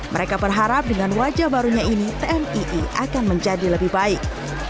mereka berharap dengan wajah barunya ini tni akan menjadi lebih baik